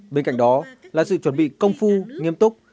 bên cạnh đó là sự chuẩn bị công phu nghiêm túc